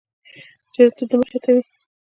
چې د ده مخې ته وي.